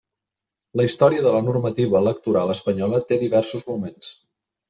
La història de la normativa electoral espanyola té diversos moments.